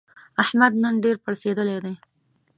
احمد نن ډېر پړسېدلی دی.